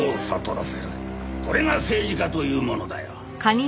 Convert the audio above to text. それが政治家というものだよ。